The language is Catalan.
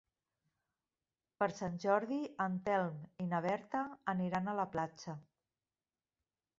Per Sant Jordi en Telm i na Berta aniran a la platja.